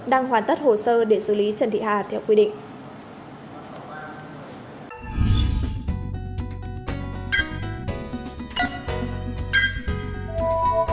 đang hoàn tất hồ sơ để xử lý trần thị hà theo quy định